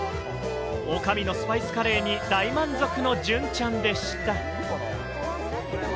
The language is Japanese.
おかみのスパイスカレーに大満足の隼ちゃんでした。